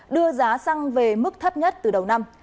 đưa giá xăng về mức thấp nhất từ đầu năm